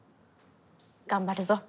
頑張るぞ！